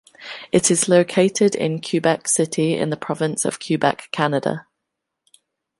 It is located in Quebec City in the province of Quebec, Canada.